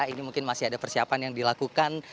ini mungkin masih ada persiapan yang dilakukan